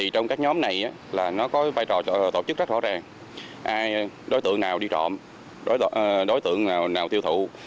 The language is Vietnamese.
trong b phone